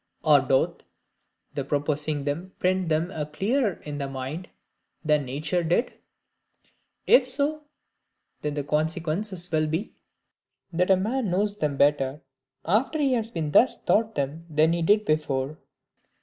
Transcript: Or doth the proposing them print them clearer in the mind than nature did? If so, then the consequence will be, that a man knows them better after he has been thus taught them than he did before.